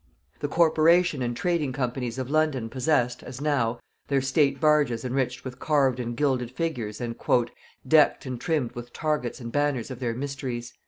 The corporation and trading companies of London possessed, as now, their state barges enriched with carved and gilded figures and "decked and trimmed with targets and banners of their misteries."